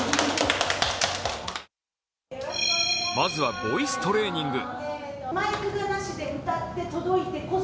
まずはボイストレーニング。